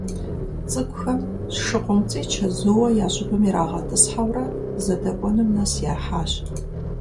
ЦӀыкӀухэм ШыкъумцӀий чэзууэ я щӀыбым ирагъэтӀысхьэурэ зыдэкӀуэнум нэс яхьащ.